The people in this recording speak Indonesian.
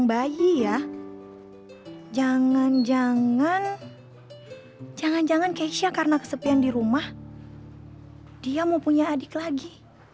bayi ya jangan jangan jangan keisha karena kesepian di rumah dia mau punya adik lagi